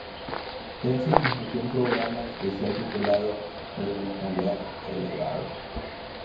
El se transmitió un programa especial titulado "Hoy voy a cambiar, el legado".